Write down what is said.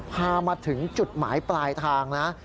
พามาถึงจุดหมายปลายทางนะ